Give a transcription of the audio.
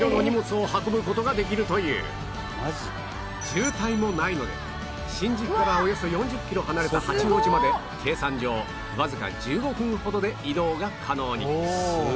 渋滞もないので新宿からおよそ４０キロ離れた八王子まで計算上わずか１５分ほどで移動が可能に